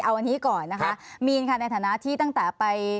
เอาอันนี้ก่อนนะคะมีนค่ะในฐานะที่ตั้งแต่ไป